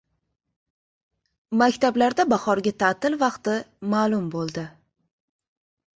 Maktablarda bahorgi ta’til vaqti ma’lum bo‘ldi